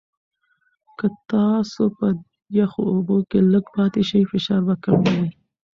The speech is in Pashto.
که تاسو په یخو اوبو کې لږ پاتې شئ، فشار به کم وي.